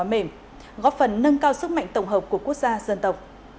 văn hóa mềm góp phần nâng cao sức mạnh tổng hợp của quốc gia dân tộc